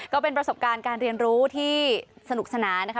ก็เป็นประสบการณ์การเรียนรู้ที่สนุกสนานนะคะ